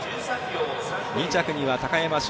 ２着には高山峻